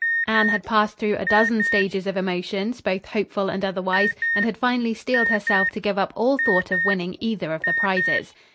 Anne had passed through a dozen stages of emotions, both hopeful and otherwise, and had finally steeled herself to give up all thought of winning either of the prizes.